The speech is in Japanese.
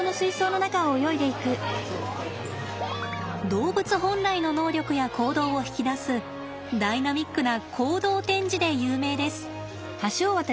動物本来の能力や行動を引き出すダイナミックな行動展示で有名です。